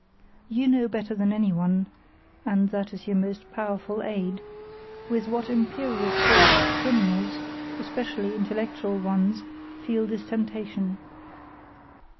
You know better than anyone (and that is your most powerful aid), with what imperious force criminals, especially intellectual ones, feel this temptation.